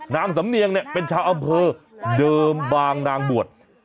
นางสำเนียงเนี่ยเป็นชาวอำเภอเดิมบางนางบวช